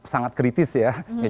sangat kritis ya